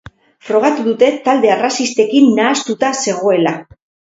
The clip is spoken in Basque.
Frogatu dute talde arrazistekin nahastuta zegoela.